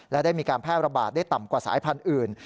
และได้มีการแพร่ระบาดได้ต่ำกว่าสายพันธุ์อื่น